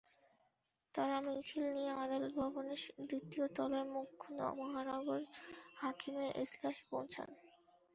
তাঁরা মিছিল নিয়ে আদালত ভবনের দ্বিতীয় তলায় মুখ্য মহানগর হাকিমের এজলাসে পৌঁছান।